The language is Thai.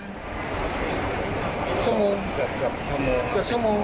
เกือบชั่วโมง